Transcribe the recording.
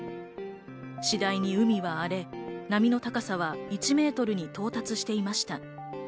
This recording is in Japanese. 次第に海は荒れ、波の高さは１メートルに到達していました。